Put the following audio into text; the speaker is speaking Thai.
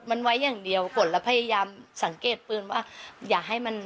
มันไว้อย่างเดียวกดแล้วพยายามสังเกตปืนว่าอย่าให้มัน